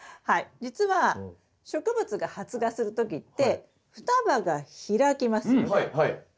じつは植物が発芽する時って双葉が開きますよね。